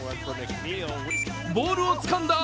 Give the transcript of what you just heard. ボールをつかんだ！